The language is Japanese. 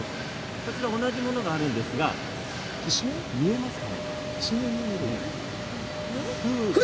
こちらに同じものがあります、見えますか。